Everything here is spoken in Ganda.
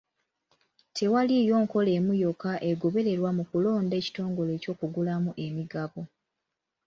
Tewaliiwo nkola emu yokka egobererwa mu kulonda ekitongole eky'okugulamu emigabo.